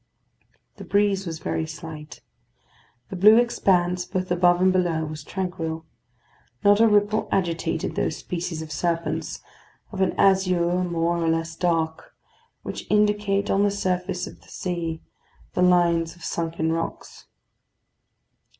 The breeze was very slight. The blue expanse, both above and below, was tranquil. Not a ripple agitated those species of serpents, of an azure more or less dark, which indicate on the surface of the sea the lines of sunken rocks.